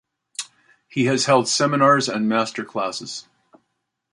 He has held seminars and master classes.